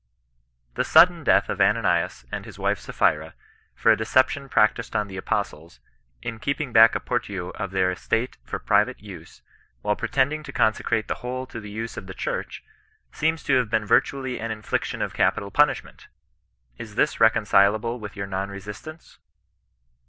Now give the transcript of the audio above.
The sudden death of Ananias and his wife Sapphira, for deception practised on the apostles, in keeping back a portion of their estate for private use, while pretending to consecrate the whole to the use of the church, seems to have been virtually an infliction of capital punishment. Is this reconcileable with your non resistance